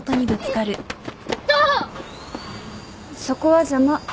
そこは邪魔。